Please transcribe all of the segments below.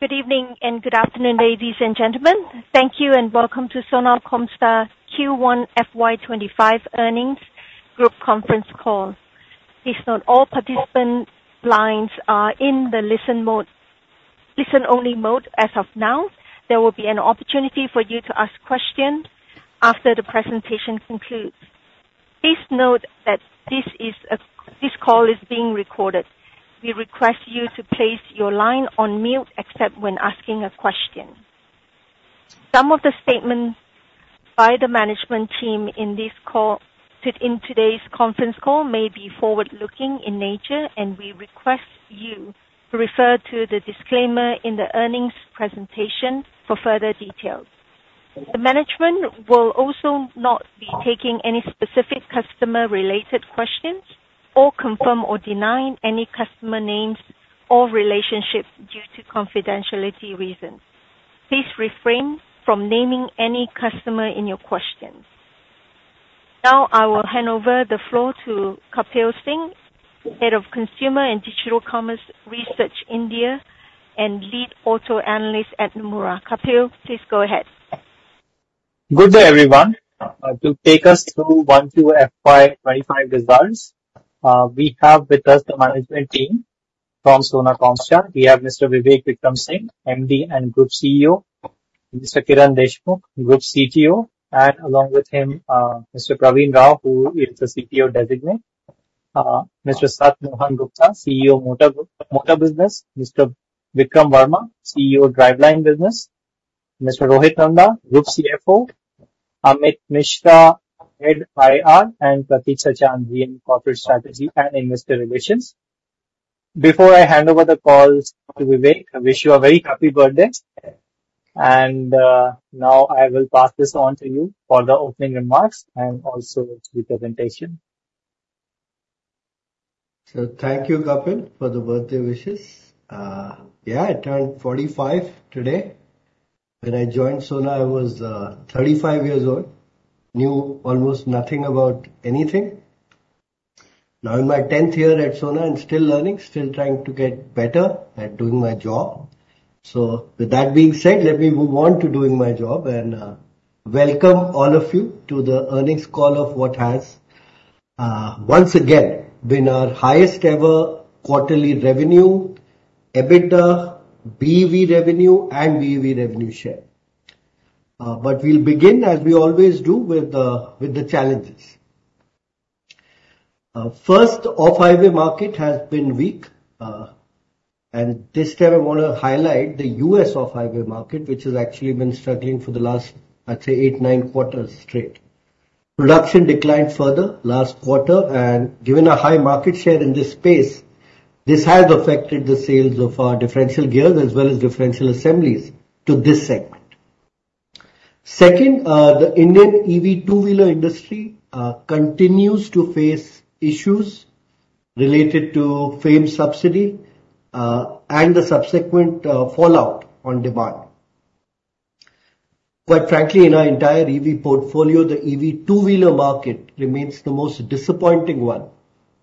Good evening, and good afternoon, ladies and gentlemen. Thank you, and welcome to Sona Comstar Q1 FY25 Earnings Group Conference Call. Please note, all participant lines are in the listen mode, listen-only mode as of now. There will be an opportunity for you to ask questions after the presentation concludes. Please note that this is a... This call is being recorded. We request you to place your line on mute except when asking a question. Some of the statements by the management team in this call, said in today's conference call may be forward-looking in nature, and we request you to refer to the disclaimer in the earnings presentation for further details. The management will also not be taking any specific customer-related questions or confirm or deny any customer names or relationships due to confidentiality reasons. Please refrain from naming any customer in your questions. Now, I will hand over the floor to Kapil Singh, Head of Consumer and Digital Commerce Research, India, and Lead Auto Analyst at Nomura. Kapil, please go ahead. Good day, everyone. To take us through Q1, Q2 FY25 results, we have with us the management team from Sona Comstar. We have Mr. Vivek Vikram Singh, MD and Group CEO; Mr. Kiran Deshmukh, Group CTO, and along with him, Mr. Praveen Rao, who is the CTO Designate; Mr. Sat Mohan Gupta, CEO, Motor Business; Mr. Vikram Verma, CEO, Driveline Business; Mr. Rohit Nanda, Group CFO; Amit Mishra, Head, IR, and Prateek Sachan, GM, Corporate Strategy and Investor Relations. Before I hand over the call to Vivek, I wish you a very happy birthday. Now I will pass this on to you for the opening remarks and also the presentation. So thank you, Kapil, for the birthday wishes. Yeah, I turned 45 today. When I joined Sona, I was 35 years old, knew almost nothing about anything. Now, in my 10th year at Sona, I'm still learning, still trying to get better at doing my job. So with that being said, let me move on to doing my job and welcome all of you to the earnings call of what has once again been our highest ever quarterly revenue, EBITDA, BEV revenue, and BEV revenue share. But we'll begin, as we always do, with the challenges. First, off-highway market has been weak, and this time I wanna highlight the U.S. off-highway market, which has actually been struggling for the last, I'd say, 8-9 quarters straight. Production declined further last quarter, and given our high market share in this space, this has affected the sales of our differential gears as well as differential assemblies to this segment. Second, the Indian EV two-wheeler industry continues to face issues related to FAME subsidy, and the subsequent fallout on demand. Quite frankly, in our entire EV portfolio, the EV two-wheeler market remains the most disappointing one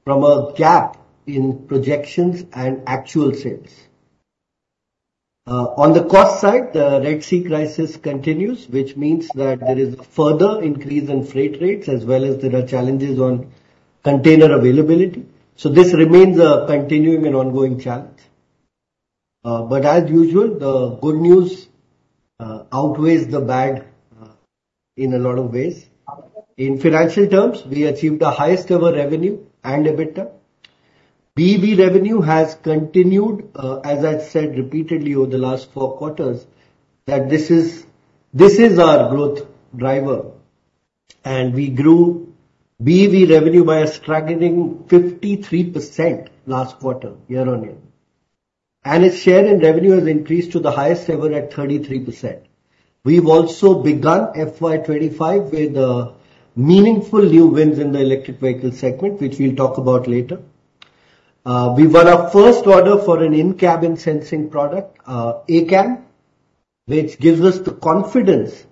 from a gap in projections and actual sales. On the cost side, the Red Sea crisis continues, which means that there is further increase in freight rates as well as there are challenges on container availability. So this remains a continuing and ongoing challenge. But as usual, the good news outweighs the bad, in a lot of ways. In financial terms, we achieved our highest ever revenue and EBITDA. BEV revenue has continued, as I've said repeatedly over the last four quarters, that this is, this is our growth driver, and we grew BEV revenue by a staggering 53% last quarter, year-on-year, and its share in revenue has increased to the highest ever at 33%. We've also begun FY 25 with, meaningful new wins in the electric vehicle segment, which we'll talk about later. We won our first order for an in-cabin sensing product, ACAM, which gives us the confidence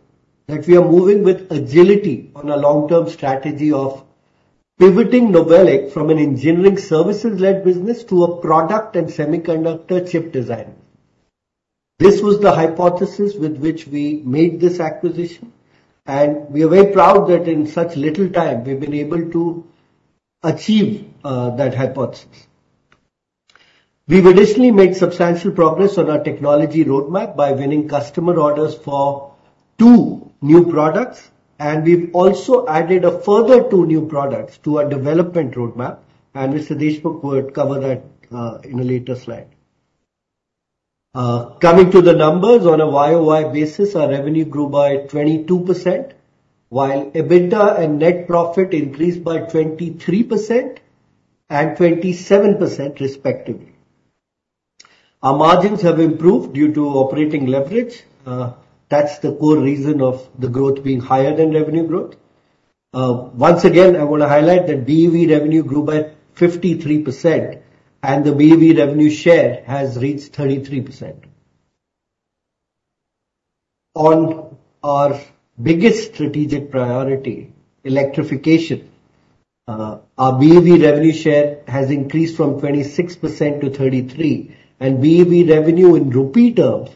that we are moving with agility on a long-term strategy of pivoting Novelic from an engineering services-led business to a product and semiconductor chip design. This was the hypothesis with which we made this acquisition, and we are very proud that in such little time, we've been able to achieve, that hypothesis. We've additionally made substantial progress on our technology roadmap by winning customer orders for two new products, and we've also added a further two new products to our development roadmap, and Mr. Deshmukh will cover that in a later slide. Coming to the numbers, on a year-over-year basis, our revenue grew by 22%, while EBITDA and net profit increased by 23% and 27% respectively. Our margins have improved due to operating leverage. That's the core reason of the growth being higher than revenue growth. Once again, I want to highlight that BEV revenue grew by 53%, and the BEV revenue share has reached 33%. On our biggest strategic priority, electrification, our BEV revenue share has increased from 26% to 33%, and BEV revenue in rupee terms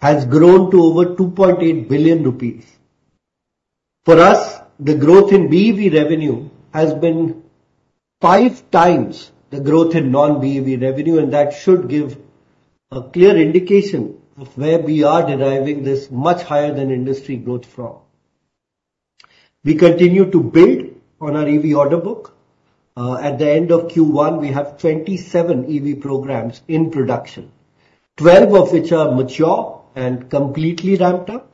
has grown to over 2.8 billion rupees. For us, the growth in BEV revenue has been five times the growth in non-BEV revenue, and that should give a clear indication of where we are deriving this much higher than industry growth from. We continue to build on our EV order book. At the end of Q1, we have 27 EV programs in production, 12 of which are mature and completely ramped up,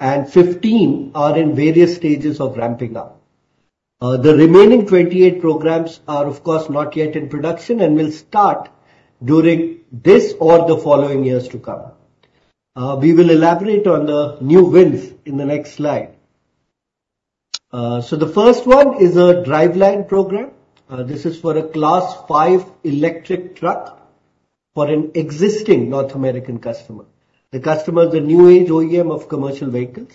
and 15 are in various stages of ramping up. The remaining 28 programs are, of course, not yet in production and will start during this or the following years to come. We will elaborate on the new wins in the next slide. So the first one is a driveline program. This is for a Class 5 electric truck for an existing North American customer. The customer is a new age OEM of commercial vehicles.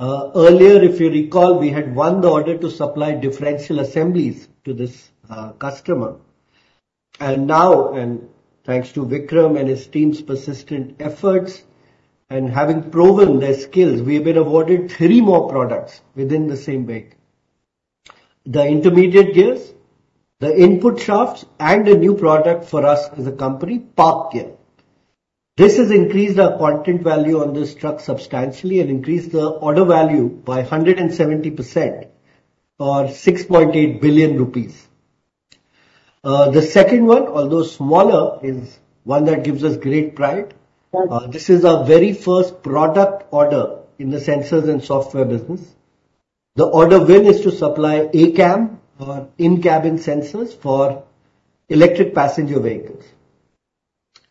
Earlier, if you recall, we had won the order to supply differential assemblies to this customer. And now, thanks to Vikram and his team's persistent efforts and having proven their skills, we have been awarded three more products within the same vehicle: the intermediate gears, the input shafts, and a new product for us as a company, park gear. This has increased our content value on this truck substantially and increased the order value by 170%, or 6.8 billion rupees. The second one, although smaller, is one that gives us great pride. This is our very first product order in the sensors and software business. The order win is to supply ACAM, or in-cabin sensors, for electric passenger vehicles.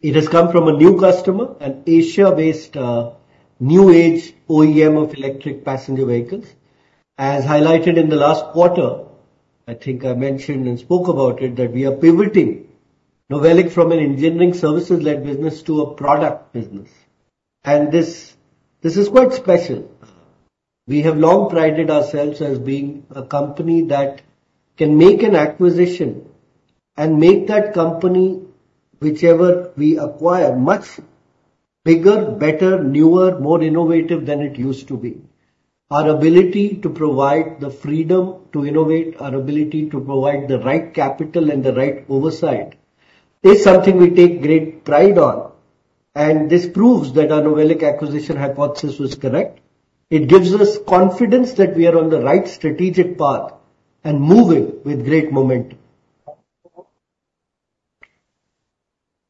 It has come from a new customer, an Asia-based new age OEM of electric passenger vehicles. As highlighted in the last quarter, I think I mentioned and spoke about it, that we are pivoting Novelic from an engineering services-led business to a product business, and this, this is quite special. We have long prided ourselves as being a company that can make an acquisition and make that company, whichever we acquire, much bigger, better, newer, more innovative than it used to be. Our ability to provide the freedom to innovate, our ability to provide the right capital and the right oversight, is something we take great pride on, and this proves that our Novelic acquisition hypothesis was correct. It gives us confidence that we are on the right strategic path and moving with great momentum.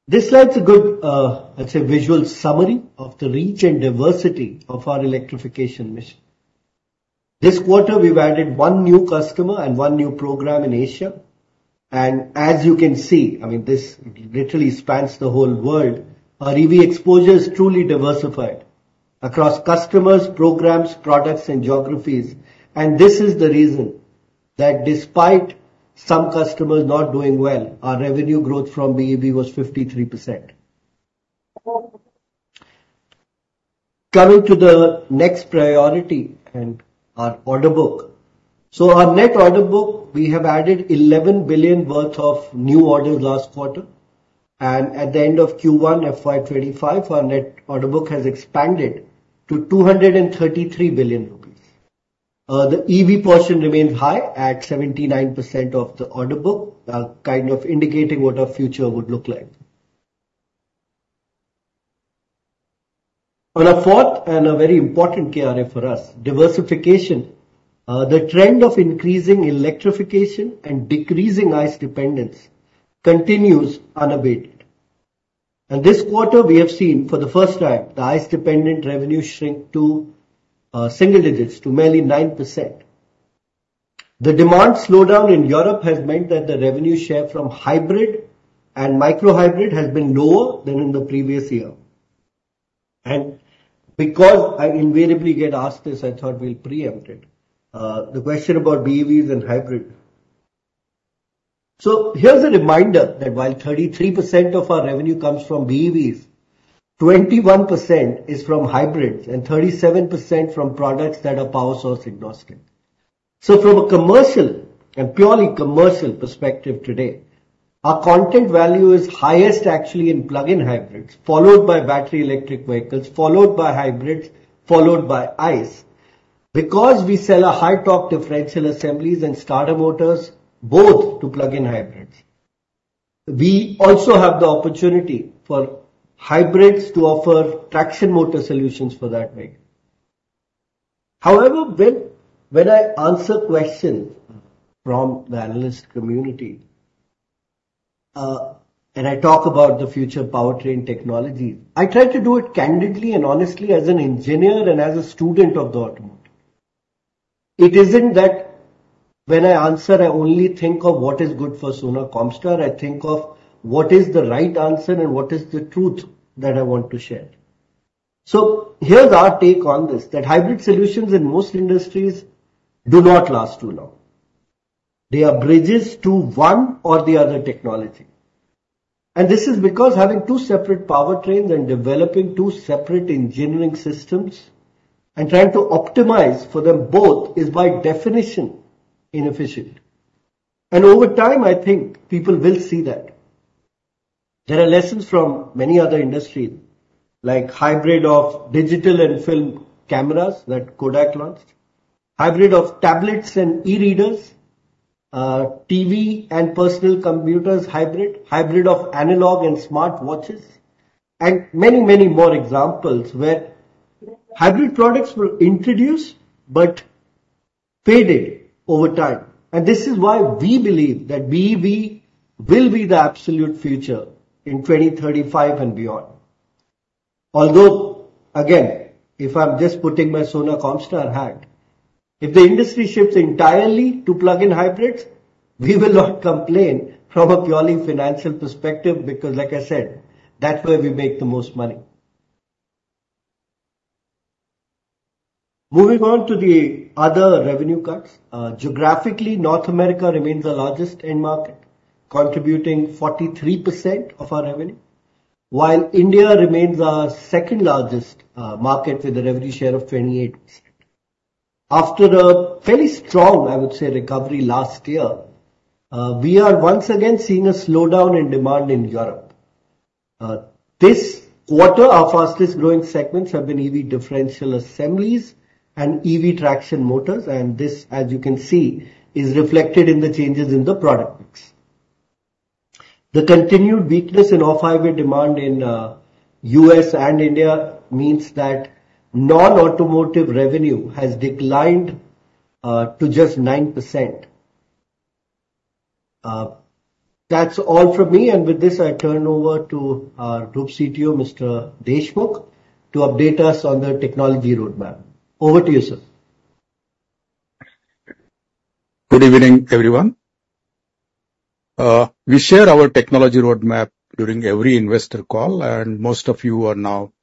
This slide is a good, I'd say, visual summary of the reach and diversity of our electrification mission. This quarter, we've added one new customer and one new program in Asia. As you can see, I mean, this literally spans the whole world. Our EV exposure is truly diversified across customers, programs, products, and geographies, and this is the reason that despite some customers not doing well, our revenue growth from BEV was 53%. Coming to the next priority and our order book. Our net order book, we have added 11 billion worth of new orders last quarter, and at the end of Q1 FY25, our net order book has expanded to 233 billion rupees. The EV portion remains high at 79% of the order book, kind of indicating what our future would look like. On a fourth and a very important KRA for us, diversification. The trend of increasing electrification and decreasing ICE dependence continues unabated. This quarter, we have seen, for the first time, the ICE-dependent revenue shrink to single digits, to merely 9%. The demand slowdown in Europe has meant that the revenue share from hybrid and microhybrid has been lower than in the previous year. Because I invariably get asked this, I thought we'll preempt it, the question about BEVs and hybrid. Here's a reminder that while 33% of our revenue comes from BEVs, 21% is from hybrids and 37% from products that are power source agnostic. From a commercial and purely commercial perspective today, our content value is highest actually in plug-in hybrids, followed by battery electric vehicles, followed by hybrids, followed by ICE. Because we sell our high torque differential assemblies and starter motors, both to plug-in hybrids, we also have the opportunity for hybrids to offer traction motor solutions for that vehicle. However, when I answer questions from the analyst community, and I talk about the future of powertrain technology, I try to do it candidly and honestly as an engineer and as a student of the automotive. It isn't that when I answer, I only think of what is good for Sona Comstar, I think of what is the right answer and what is the truth that I want to share. So here's our take on this, that hybrid solutions in most industries do not last too long.... They are bridges to one or the other technology. This is because having two separate powertrains and developing two separate engineering systems and trying to optimize for them both is, by definition, inefficient. Over time, I think people will see that. There are lessons from many other industries, like hybrid of digital and film cameras that Kodak launched, hybrid of tablets and e-readers, TV and personal computers hybrid, hybrid of analog and smartwatches, and many, many more examples where hybrid products were introduced but faded over time. This is why we believe that BEV will be the absolute future in 2035 and beyond. Although, again, if I'm just putting my Sona Comstar hat, if the industry shifts entirely to plug-in hybrids, we will not complain from a purely financial perspective, because like I said, that's where we make the most money. Moving on to the other revenue cuts. Geographically, North America remains our largest end market, contributing 43% of our revenue, while India remains our second-largest market, with a revenue share of 28%. After a fairly strong, I would say, recovery last year, we are once again seeing a slowdown in demand in Europe. This quarter, our fastest-growing segments have been EV differential assemblies and EV traction motors, and this, as you can see, is reflected in the changes in the product mix. The continued weakness in off-highway demand in U.S. and India means that non-automotive revenue has declined to just 9%. That's all from me. And with this, I turn over to our Group CTO, Mr. Deshmukh, to update us on the technology roadmap. Over to you, sir. Good evening, everyone. We share our technology roadmap during every investor call, and most of you are now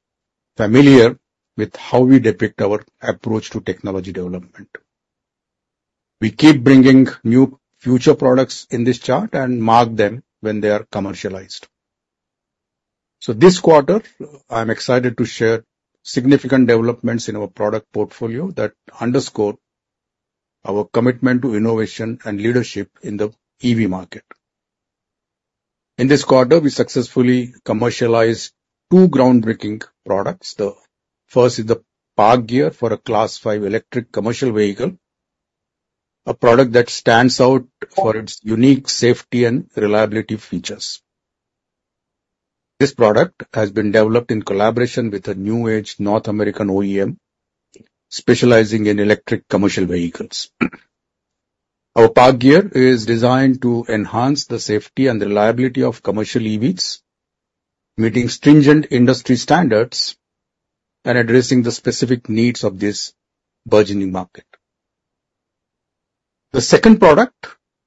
familiar with how we depict our approach to technology development. We keep bringing new future products in this chart and mark them when they are commercialized. So this quarter, I'm excited to share significant developments in our product portfolio that underscore our commitment to innovation and leadership in the EV market. In this quarter, we successfully commercialized two groundbreaking products. The first is the park gear for a Class 5 electric commercial vehicle, a product that stands out for its unique safety and reliability features. This product has been developed in collaboration with a new-age North American OEM specializing in electric commercial vehicles. Our park gear is designed to enhance the safety and reliability of commercial EVs, meeting stringent industry standards and addressing the specific needs of this burgeoning market. The second product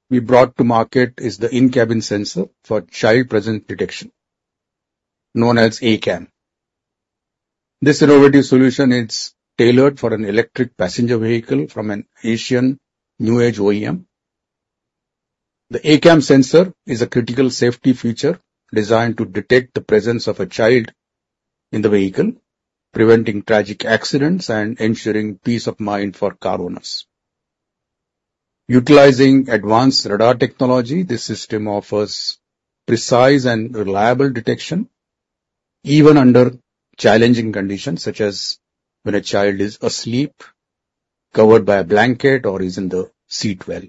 we brought to market is the in-cabin sensor for child presence detection, known as ACAM. This innovative solution is tailored for an electric passenger vehicle from an Asian new-age OEM. The ACAM sensor is a critical safety feature designed to detect the presence of a child in the vehicle, preventing tragic accidents and ensuring peace of mind for car owners. Utilizing advanced radar technology, this system offers precise and reliable detection, even under challenging conditions, such as when a child is asleep, covered by a blanket, or is in the seat well.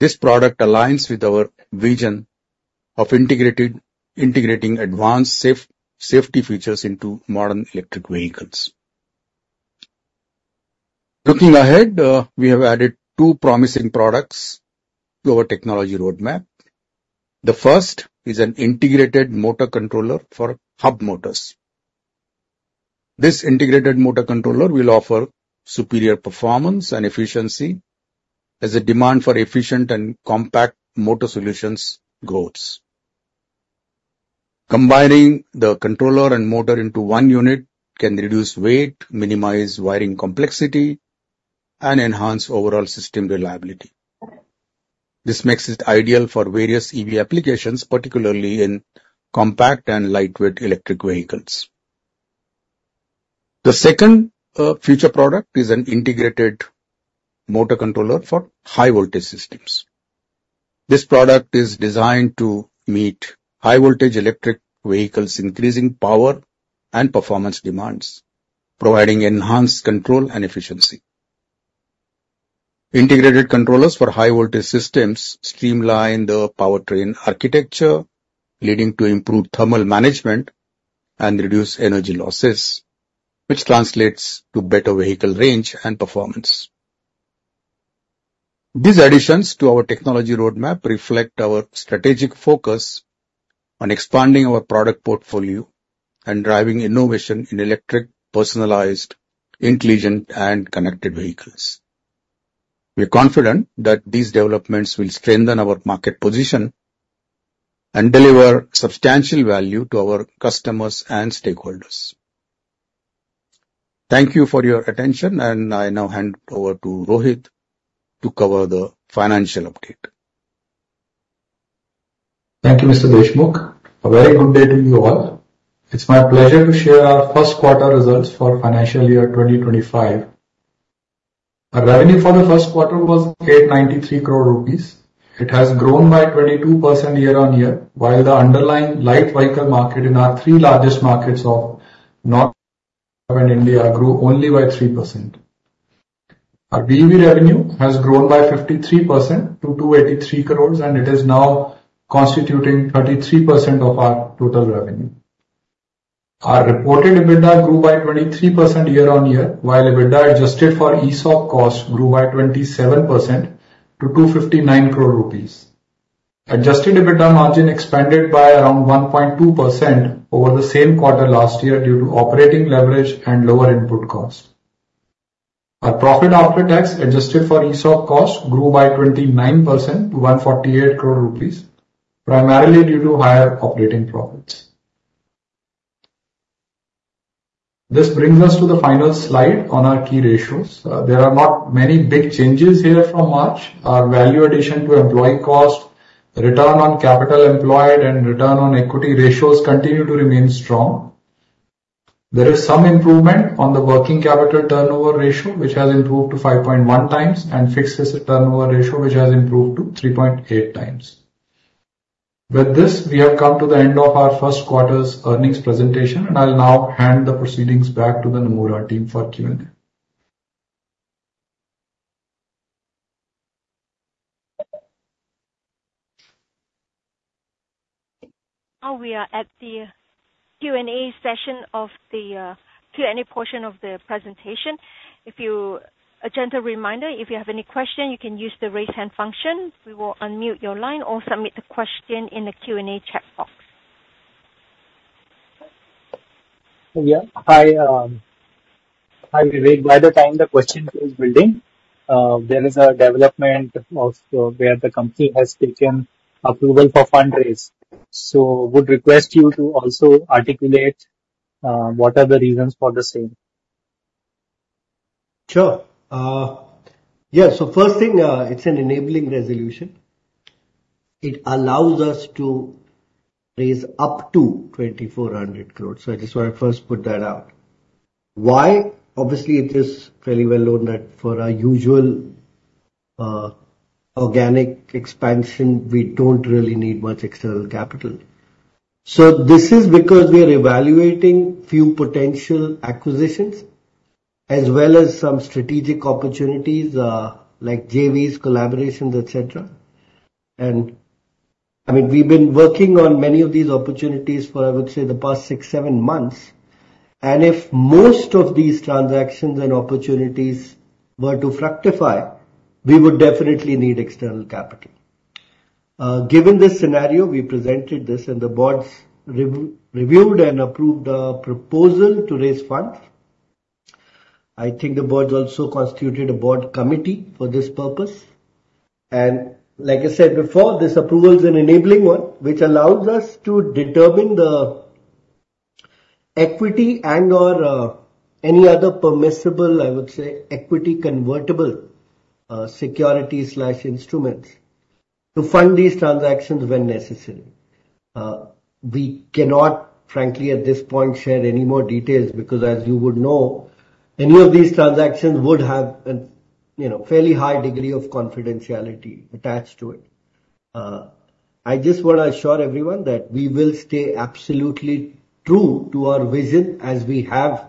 This product aligns with our vision of integrating advanced safety features into modern electric vehicles. Looking ahead, we have added two promising products to our technology roadmap. The first is an integrated motor controller for hub motors. This integrated motor controller will offer superior performance and efficiency as the demand for efficient and compact motor solutions grows. Combining the controller and motor into one unit can reduce weight, minimize wiring complexity, and enhance overall system reliability. This makes it ideal for various EV applications, particularly in compact and lightweight electric vehicles. The second, future product is an integrated motor controller for high-voltage systems. This product is designed to meet high-voltage electric vehicles' increasing power and performance demands, providing enhanced control and efficiency. Integrated controllers for high-voltage systems streamline the powertrain architecture, leading to improved thermal management and reduced energy losses, which translates to better vehicle range and performance. These additions to our technology roadmap reflect our strategic focus on expanding our product portfolio and driving innovation in electric, personalized, intelligent, and connected vehicles. We are confident that these developments will strengthen our market position and deliver substantial value to our customers and stakeholders. Thank you for your attention, and I now hand over to Rohit to cover the financial update. Thank you, Mr. Deshmukh. A very good day to you all. It's my pleasure to share our first quarter results for financial year 2025. Our revenue for the first quarter was 893 crore rupees. It has grown by 22% year-on-year, while the underlying light vehicle market in our three largest markets of North America and India grew only by 3%. Our BEV revenue has grown by 53% to 283 crore, and it is now constituting 33% of our total revenue. Our reported EBITDA grew by 23% year-on-year, while EBITDA adjusted for ESOP costs grew by 27% to 259 crore rupees. Adjusted EBITDA margin expanded by around 1.2% over the same quarter last year due to operating leverage and lower input costs. Our profit after tax, adjusted for ESOP costs, grew by 29% to 148 crore rupees, primarily due to higher operating profits. This brings us to the final slide on our key ratios. There are not many big changes here from March. Our value addition to employee cost, return on capital employed, and return on equity ratios continue to remain strong. There is some improvement on the working capital turnover ratio, which has improved to 5.1 times, and fixed asset turnover ratio, which has improved to 3.8 times. With this, we have come to the end of our first quarter's earnings presentation, and I'll now hand the proceedings back to the Nomura team for Q&A. Now we are at the Q&A session of the Q&A portion of the presentation. A gentle reminder, if you have any question, you can use the Raise Hand function. We will unmute your line or submit the question in the Q&A chat box. Yeah. Hi, hi, Vivek. By the time the question is building, there is a development of, where the company has taken approval for fundraise. So would request you to also articulate, what are the reasons for the same? Sure. Yeah. So first thing, it's an enabling resolution. It allows us to raise up to 2,400 crore, so I just want to first put that out. Why? Obviously, it is fairly well known that for our usual, organic expansion, we don't really need much external capital. So this is because we are evaluating few potential acquisitions as well as some strategic opportunities, like JVs, collaborations, et cetera. And, I mean, we've been working on many of these opportunities for, I would say, the past six, seven months, and if most of these transactions and opportunities were to fructify, we would definitely need external capital. Given this scenario, we presented this and the board reviewed and approved the proposal to raise funds. I think the board also constituted a board committee for this purpose. And like I said before, this approval is an enabling one, which allows us to determine the equity and/or, any other permissible, I would say, equity convertible, securities slash instruments to fund these transactions when necessary. We cannot, frankly, at this point, share any more details, because as you would know, any of these transactions would have an, you know, fairly high degree of confidentiality attached to it. I just want to assure everyone that we will stay absolutely true to our vision as we have,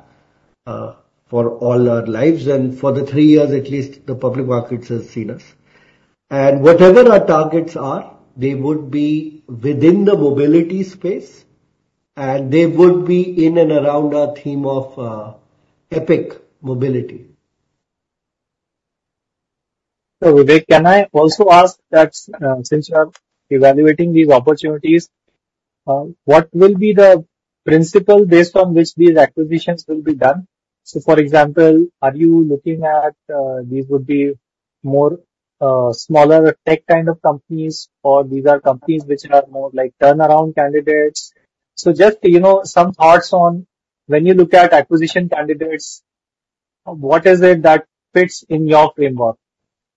for all our lives and for the three years at least, the public markets has seen us. And whatever our targets are, they would be within the mobility space, and they would be in and around our theme of, epic mobility. So, Vivek, can I also ask that, since you are evaluating these opportunities, what will be the principle based on which these acquisitions will be done? So, for example, are you looking at, these would be more, smaller tech kind of companies, or these are companies which are more like turnaround candidates? So just, you know, some thoughts on when you look at acquisition candidates, what is it that fits in your framework?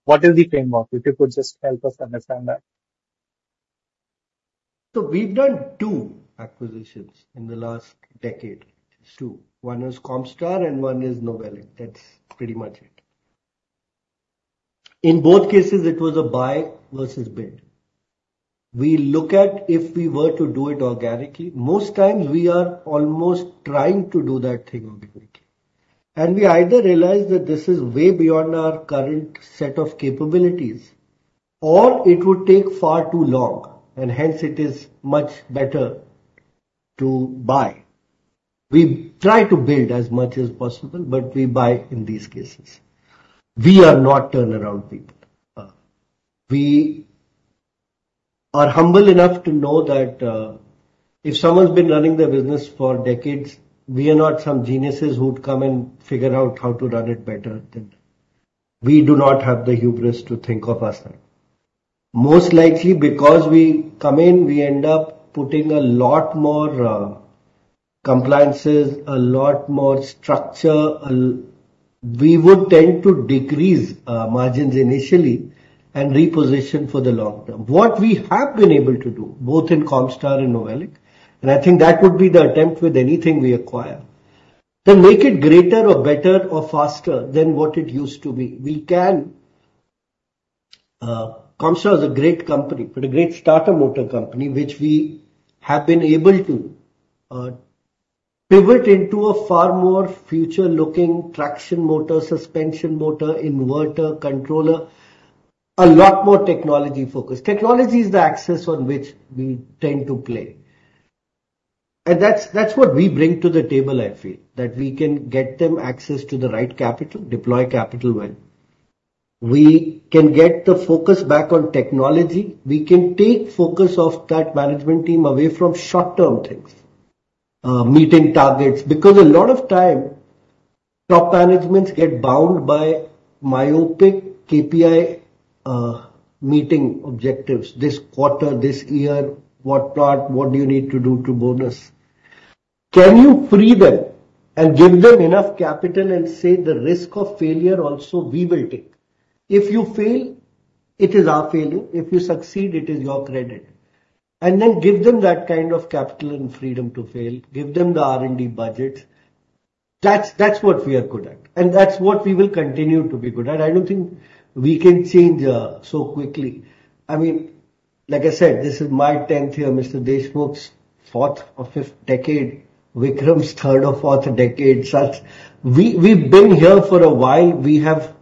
What is the framework? If you could just help us understand that. So we've done two acquisitions in the last decade. Just two. One is Comstar and one is Novelic. That's pretty much it. In both cases, it was a buy versus build. We look at if we were to do it organically, most times we are almost trying to do that thing organically. And we either realize that this is way beyond our current set of capabilities, or it would take far too long, and hence it is much better to buy. We try to build as much as possible, but we buy in these cases. We are not turnaround people. We are humble enough to know that, if someone's been running their business for decades, we are not some geniuses who'd come and figure out how to run it better than them. We do not have the hubris to think of ourselves. Most likely because we come in, we end up putting a lot more compliances, a lot more structure. We would tend to decrease margins initially and reposition for the long term. What we have been able to do, both in Comstar and Novelic, and I think that would be the attempt with anything we acquire, to make it greater or better or faster than what it used to be. We can, Comstar is a great company, but a great starter motor company, which we have been able to pivot into a far more future-looking traction motor, suspension motor, inverter, controller, a lot more technology-focused. Technology is the axis on which we tend to play, and that's, that's what we bring to the table, I feel, that we can get them access to the right capital, deploy capital well. We can get the focus back on technology. We can take focus of that management team away from short-term things, meeting targets. Because a lot of time, top managements get bound by myopic KPI, meeting objectives. This quarter, this year, what part, what do you need to do to bonus? Can you free them and give them enough capital and say, "The risk of failure also, we will take. If you fail, it is our failure. If you succeed, it is your credit." And then give them that kind of capital and freedom to fail, give them the R&D budgets. That's what we are good at, and that's what we will continue to be good at. I don't think we can change so quickly. I mean, like I said, this is my 10th year, Mr. Deshmukh's fourth or fifth decade, Vikram's third or fourth decade. We've been here for a while. We have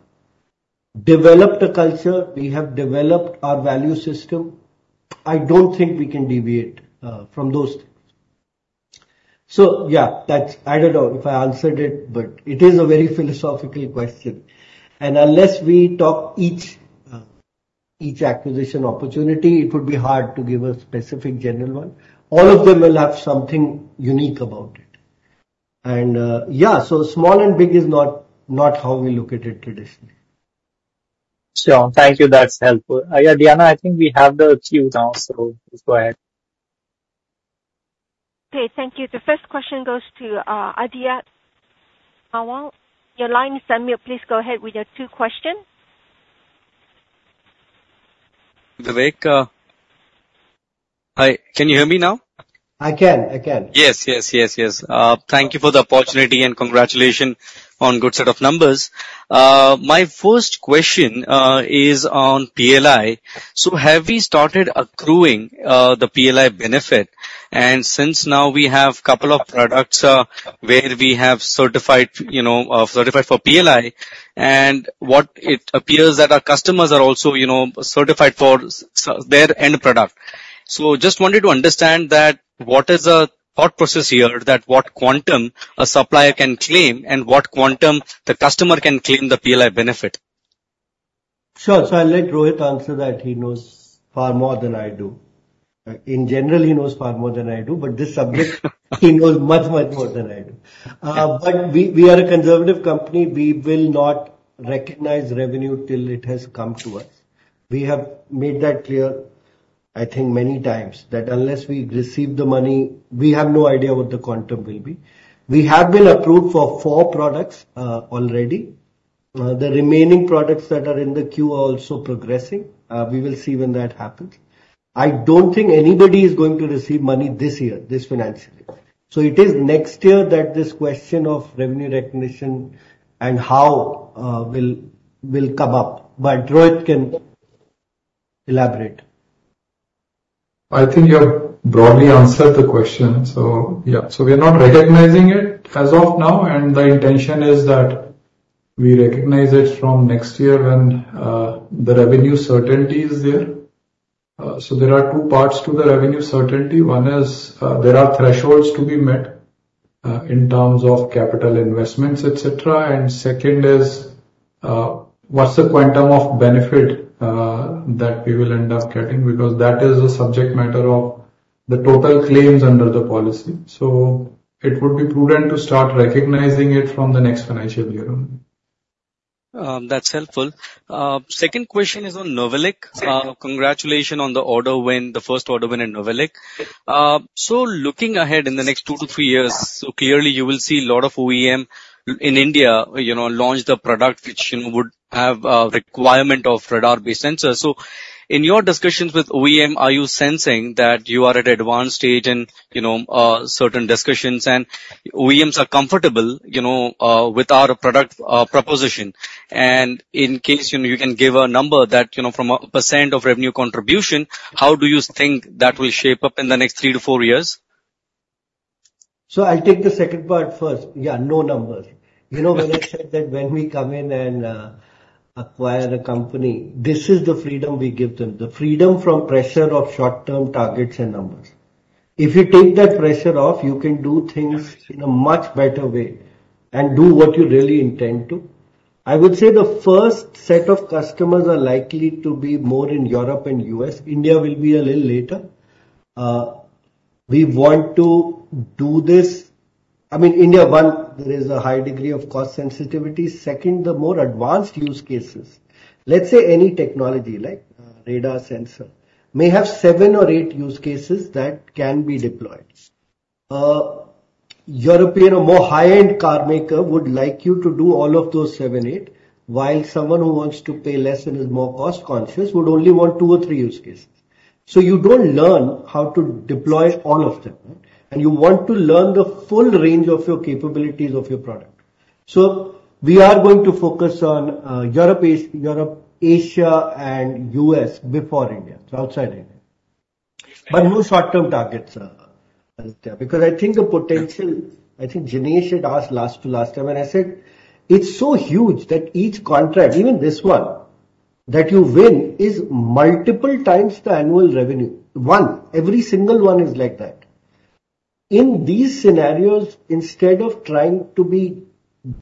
developed a culture, we have developed our value system. I don't think we can deviate from those things. So, yeah, that's... I don't know if I answered it, but it is a very philosophical question, and unless we talk each acquisition opportunity, it would be hard to give a specific general one. All of them will have something unique about it. And, yeah, so small and big is not, not how we look at it traditionally. Sure. Thank you. That's helpful. Diana, I think we have the queue now, so please go ahead. Okay, thank you. The first question goes to Aditya Narain. Your line is unmuted. Please go ahead with your two questions. Vivek, hi, can you hear me now? I can, I can. Yes, yes, yes, yes. Thank you for the opportunity, and congratulations on good set of numbers. My first question is on PLI. So have you started accruing the PLI benefit? And since now we have couple of products, where we have certified, you know, certified for PLI, and what it appears that our customers are also, you know, certified for their end product. So just wanted to understand that, what is the thought process here, that what quantum a supplier can claim and what quantum the customer can claim the PLI benefit? Sure. So I'll let Rohit answer that. He knows far more than I do. In general, he knows far more than I do, but this subject - he knows much, much more than I do. But we are a conservative company. We will not recognize revenue till it has come to us. We have made that clear, I think, many times, that unless we receive the money, we have no idea what the quantum will be. We have been approved for four products, already. The remaining products that are in the queue are also progressing. We will see when that happens. I don't think anybody is going to receive money this year, this financial year. So it is next year that this question of revenue recognition and how will come up. But Rohit can elaborate. I think you have broadly answered the question, so yeah. So we are not recognizing it as of now, and the intention is that we recognize it from next year when, the revenue certainty is there. So there are two parts to the revenue certainty. One is, there are thresholds to be met, in terms of capital investments, et cetera. And second is, what's the quantum of benefit, that we will end up getting? Because that is a subject matter of the total claims under the policy. So it would be prudent to start recognizing it from the next financial year on. That's helpful. Second question is on Novelic. Sure. Congratulations on the order win, the first order win in Novelic. So looking ahead in the next 2 to 3 years, so clearly you will see a lot of OEM in India, you know, launch the product, which would have requirement of radar-based sensors. So in your discussions with OEM, are you sensing that you are at advanced stage in, you know, certain discussions and OEMs are comfortable, you know, with our product proposition? And in case you can give a number that, you know, from a % of revenue contribution, how do you think that will shape up in the next 3 to 4 years? So I'll take the second part first. Yeah, no numbers. You know, when I said that when we come in and acquire the company, this is the freedom we give them, the freedom from pressure of short-term targets and numbers. If you take that pressure off, you can do things in a much better way and do what you really intend to. I would say the first set of customers are likely to be more in Europe and U.S. India will be a little later. We want to do this. I mean, India, one, there is a high degree of cost sensitivity. Second, the more advanced use cases, let's say any technology, like radar sensor, may have seven or eight use cases that can be deployed. European or more high-end car maker would like you to do all of those 7, 8, while someone who wants to pay less and is more cost conscious, would only want 2 or 3 use cases. So you don't learn how to deploy all of them, and you want to learn the full range of your capabilities of your product. So we are going to focus on Europe, Asia, and U.S. before India. So outside India. But more short-term targets, because I think the potential, I think Jinesh had asked last to last time, and I said it's so huge that each contract, even this one, that you win, is multiple times the annual revenue. One, every single one is like that. In these scenarios, instead of trying to be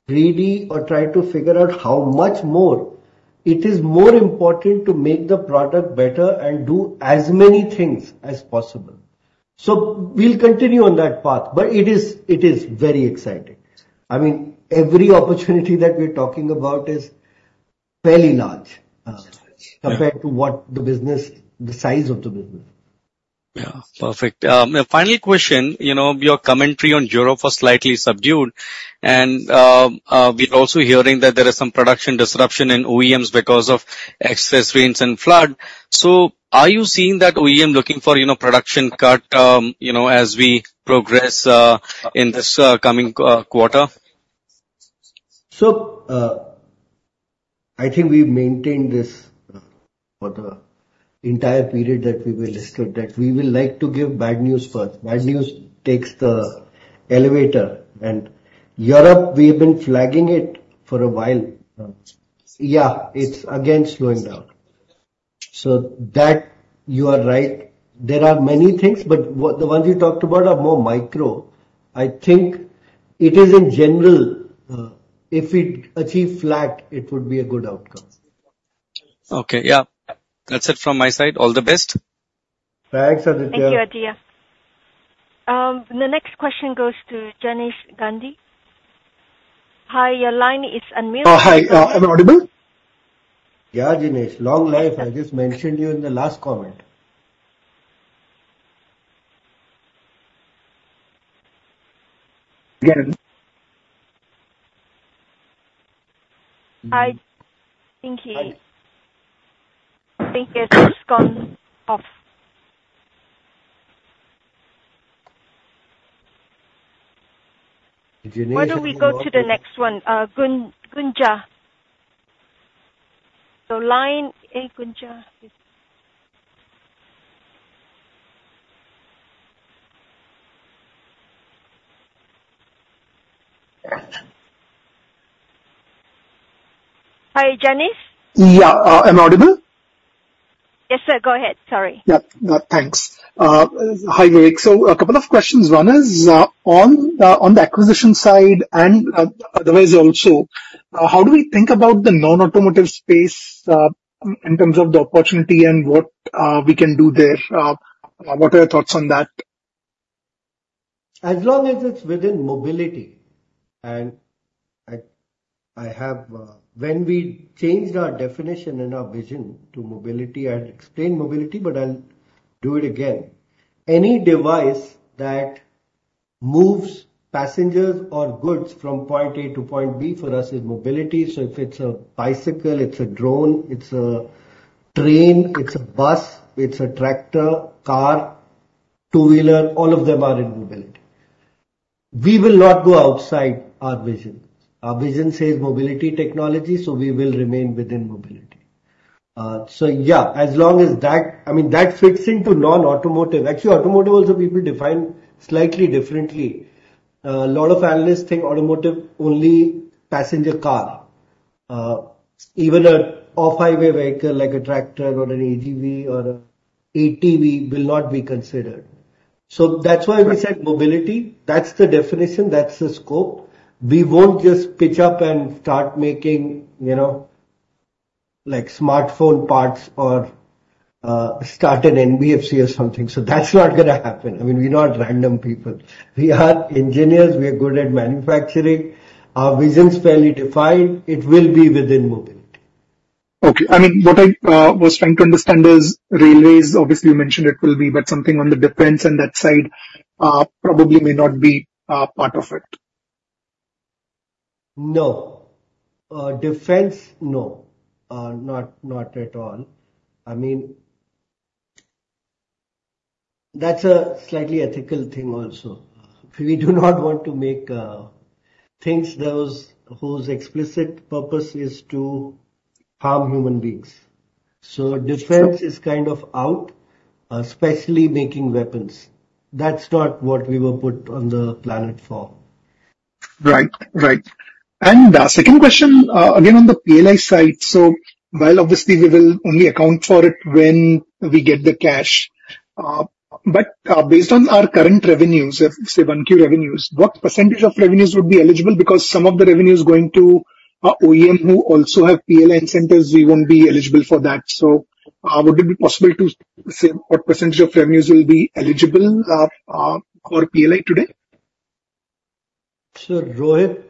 greedy or trying to figure out how much more, it is more important to make the product better and do as many things as possible. So we'll continue on that path, but it is, it is very exciting. I mean, every opportunity that we're talking about is fairly large, compared to what the business, the size of the business. Yeah. Perfect. My final question, you know, your commentary on Europe was slightly subdued, and we're also hearing that there is some production disruption in OEMs because of excess rains and flood. So are you seeing that OEM looking for, you know, production cut, you know, as we progress in this coming quarter? So, I think we've maintained this, for the entire period that we were listed, that we will like to give bad news first. Bad news takes the elevator. And Europe, we have been flagging it for a while. Yeah, it's again slowing down. So that you are right. There are many things, but what, the ones you talked about are more micro. I think it is in general, if we achieve flat, it would be a good outcome. Okay. Yeah. That's it from my side. All the best. Thanks, Aditya. Thank you, Aditya. The next question goes to Jinesh Gandhi. Hi, your line is unmuted. Oh, hi. Am I audible? Yeah, Jinesh, long life. I just mentioned you in the last comment. Yeah. I think it's gone off. Jinesh- Why don't we go to the next one, Gunjan? So, line, Gunjan. Hi, Jinesh? Yeah, am I audible? Yes, sir, go ahead. Sorry. Yeah. Thanks. Hi, Vivek. So a couple of questions. One is on the acquisition side and otherwise also how do we think about the non-automotive space in terms of the opportunity and what we can do there? What are your thoughts on that? As long as it's within mobility. When we changed our definition and our vision to mobility, I'll explain mobility, but I'll do it again. Any device that moves passengers or goods from point A to point B, for us, is mobility. So if it's a bicycle, it's a drone, it's a train, it's a bus, it's a tractor, car, two-wheeler, all of them are in mobility. We will not go outside our vision. Our vision says mobility technology, so we will remain within mobility. So yeah, as long as that, I mean, that fits into non-automotive. Actually, automotive also people define slightly differently. A lot of analysts think automotive, only passenger car. Even an off-highway vehicle, like a tractor or an AGV or an ATV will not be considered. So that's why we said mobility. That's the definition, that's the scope. We won't just pitch up and start making, you know, like smartphone parts or, start an NBFC or something. So that's not gonna happen. I mean, we're not random people. We are engineers, we are good at manufacturing. Our vision's fairly defined. It will be within mobility. Okay. I mean, what I was trying to understand is railways, obviously, you mentioned it will be, but something on the defense and that side, probably may not be part of it. No. Defense, no. Not at all. I mean, that's a slightly ethical thing also. We do not want to make things, those whose explicit purpose is to harm human beings. So defense is kind of out, especially making weapons. That's not what we were put on the planet for. Right. Right. And the second question, again, on the PLI side. So while obviously we will only account for it when we get the cash, but, based on our current revenues, say, Q1 revenues, what percentage of revenues would be eligible? Because some of the revenue is going to OEM who also have PLI centers, we won't be eligible for that. So, would it be possible to say what percentage of revenues will be eligible, for PLI today? Rohit,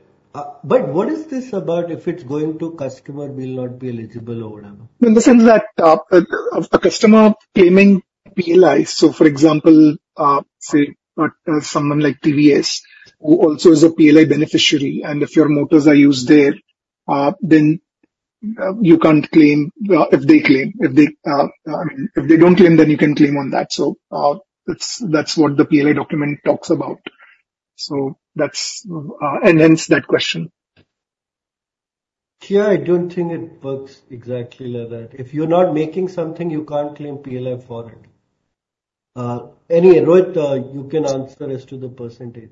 but what is this about if it's going to customer will not be eligible or whatever? In the sense that, a customer claiming PLI, so for example, say, someone like TVS, who also is a PLI beneficiary, and if your motors are used there, then, you can't claim, if they claim. If they, I mean, if they don't claim, then you can claim on that. So, that's, that's what the PLI document talks about. So that's, and hence that question. Here, I don't think it works exactly like that. If you're not making something, you can't claim PLI for it. Anyway, Rohit, you can answer as to the percentage.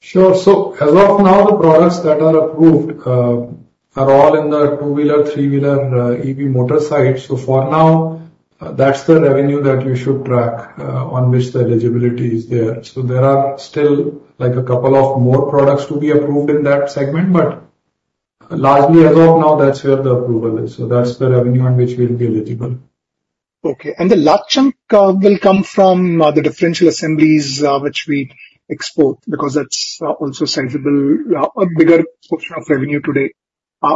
Sure. So as of now, the products that are approved are all in the two-wheeler, three-wheeler, EV motor side. So for now, that's the revenue that you should track on which the eligibility is there. So there are still, like, a couple of more products to be approved in that segment, but largely as of now, that's where the approval is. So that's the revenue on which we'll be eligible. Okay. And the large chunk will come from the differential assemblies, which we export, because that's also sizable, a bigger portion of revenue today.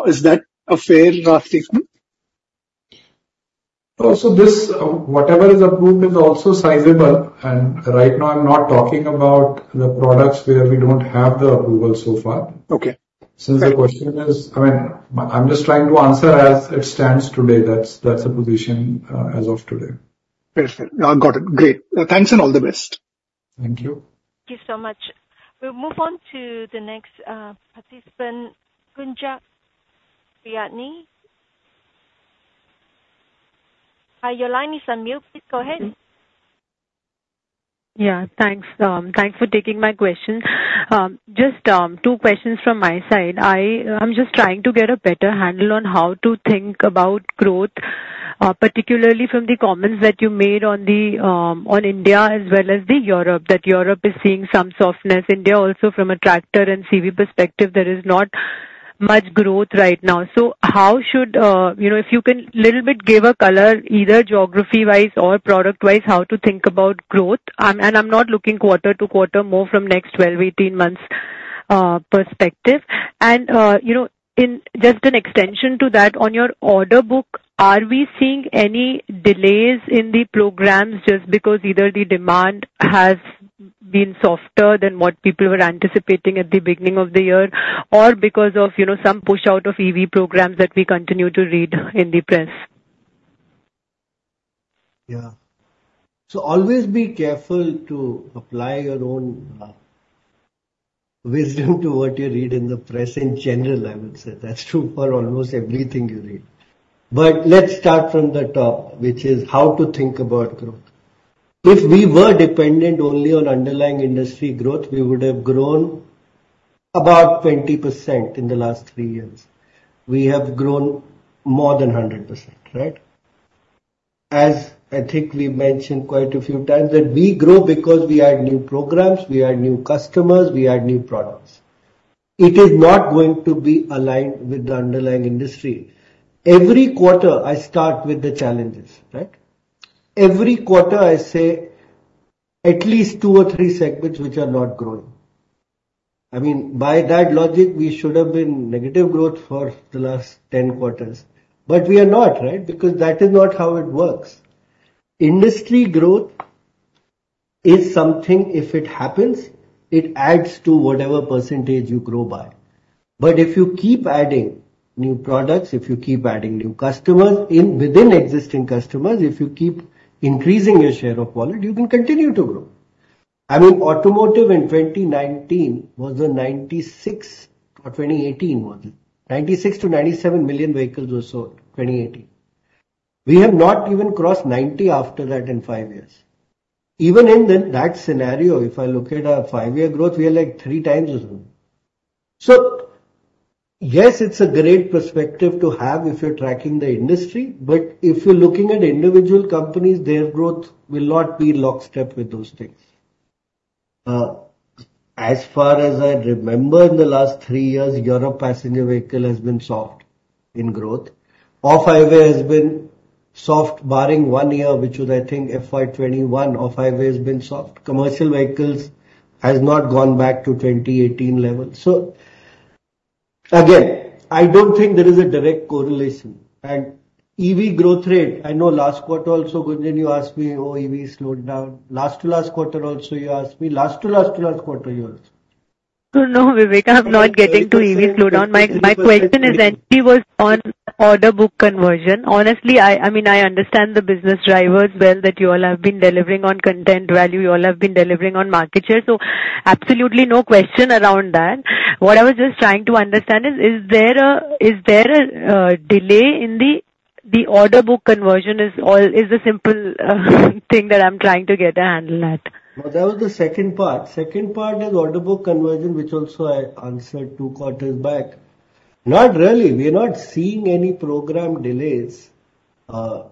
Is that a fair statement? So this, whatever is approved is also sizable, and right now I'm not talking about the products where we don't have the approval so far. Okay. Since the question is... I mean, I'm just trying to answer as it stands today, that's, that's the position, as of today. Perfect. I've got it. Great. Thanks, and all the best. Thank you. Thank you so much. We'll move on to the next, participant, Gunjan Prithyani. Your line is on mute. Please go ahead. Yeah, thanks. Thanks for taking my question. Just two questions from my side. I'm just trying to get a better handle on how to think about growth, particularly from the comments that you made on India as well as Europe, that Europe is seeing some softness. India also from a tractor and CV perspective, there is not much growth right now. So how should you know, if you can a little bit give a color, either geography-wise or product-wise, how to think about growth? And I'm not looking quarter to quarter, more from next 12, 18 months perspective. You know, in just an extension to that, on your order book, are we seeing any delays in the programs just because either the demand has been softer than what people were anticipating at the beginning of the year, or because of, you know, some push out of EV programs that we continue to read in the press? Yeah. So always be careful to apply your own wisdom to what you read in the press in general, I would say. That's true for almost everything you read. But let's start from the top, which is how to think about growth. If we were dependent only on underlying industry growth, we would have grown about 20% in the last three years. We have grown more than 100%, right? As I think we've mentioned quite a few times, that we grow because we add new programs, we add new customers, we add new products. It is not going to be aligned with the underlying industry. Every quarter, I start with the challenges, right? Every quarter, I say at least two or three segments which are not growing. I mean, by that logic, we should have been negative growth for the last 10 quarters, but we are not, right? Because that is not how it works. Industry growth is something if it happens, it adds to whatever percentage you grow by. But if you keep adding new products, if you keep adding new customers in within existing customers, if you keep increasing your share of wallet, you can continue to grow. I mean, automotive in 2019 was a 96, or 2018 was it, 96-97 million vehicles were sold, 2018. We have not even crossed 90 after that in five years. Even in that scenario, if I look at our five-year growth, we are like three times as well. So yes, it's a great perspective to have if you're tracking the industry, but if you're looking at individual companies, their growth will not be lockstep with those things. As far as I remember, in the last three years, Europe passenger vehicle has been soft in growth. Off-highway has been soft, barring one year, which was, I think, FY 2021, off-highway has been soft. Commercial vehicles has not gone back to 2018 level. So again, I don't think there is a direct correlation. And EV growth rate, I know last quarter also, Gunjan, you asked me, "Oh, EV slowed down." Last to last quarter also, you asked me, last to last to last quarter, you also. No, Vivek, I'm not getting to EV slowdown. My, my question is, actually, was on order book conversion. Honestly, I, I mean, I understand the business drivers well, that you all have been delivering on content value, you all have been delivering on market share. So absolutely no question around that. What I was just trying to understand is, is there a, is there a, delay in the, the order book conversion is all, is the simple thing that I'm trying to get a handle at? No, that was the second part. Second part is order book conversion, which also I answered two quarters back. Not really. We are not seeing any program delays, to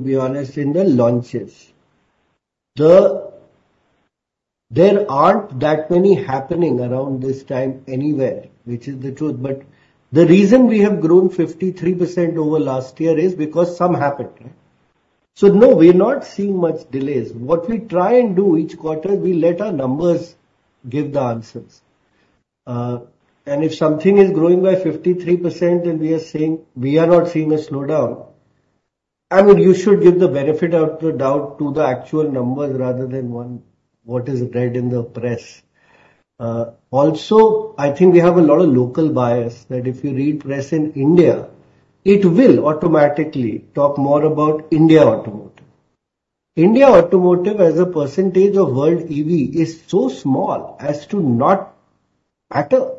be honest, in the launches. There aren't that many happening around this time anywhere, which is the truth. But the reason we have grown 53% over last year is because some happened. So no, we're not seeing much delays. What we try and do each quarter, we let our numbers give the answers. And if something is growing by 53%, then we are saying we are not seeing a slowdown. I mean, you should give the benefit of the doubt to the actual numbers rather than one, what is read in the press. Also, I think we have a lot of local bias, that if you read press in India, it will automatically talk more about India automotive. India automotive as a percentage of world EV is so small as to not matter.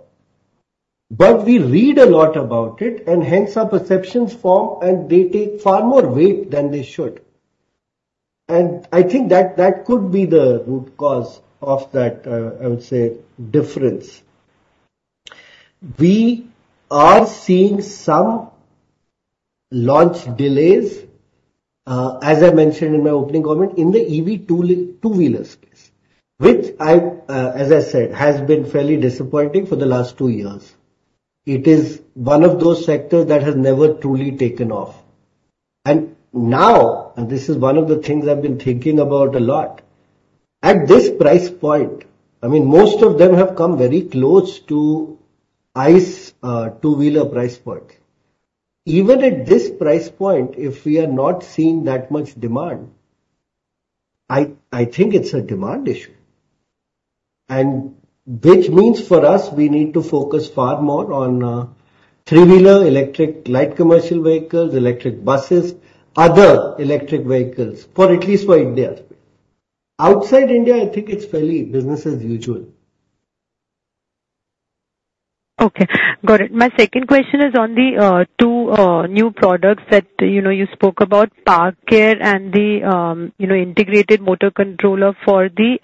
But we read a lot about it, and hence our perceptions form, and they take far more weight than they should. And I think that, that could be the root cause of that, I would say, difference. We are seeing some launch delays, as I mentioned in my opening comment, in the EV two-wheelers case, which I, as I said, has been fairly disappointing for the last two years. It is one of those sectors that has never truly taken off. And now, and this is one of the things I've been thinking about a lot, at this price point, I mean, most of them have come very close to ICE two-wheeler price point. Even at this price point, if we are not seeing that much demand, I, I think it's a demand issue. And which means for us, we need to focus far more on three-wheeler, electric light commercial vehicles, electric buses, other electric vehicles, for at least for India. Outside India, I think it's fairly business as usual. Okay, got it. My second question is on the two new products that, you know, you spoke about, park gear and the, you know, integrated motor controller for the